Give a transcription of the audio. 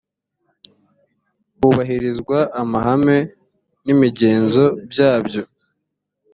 hubahirizwa amahame n’imigenzo byabyo